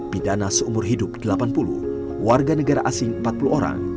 pidana seumur hidup delapan puluh warga negara asing empat puluh orang